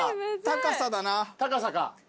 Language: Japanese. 高さか。